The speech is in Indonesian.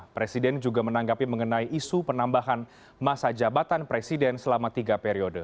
presiden juga menanggapi mengenai isu penambahan masa jabatan presiden selama tiga periode